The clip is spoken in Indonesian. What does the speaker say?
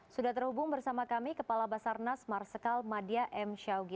sudah terhubung bersama kami kepala basarnas marsikal madia m syawgi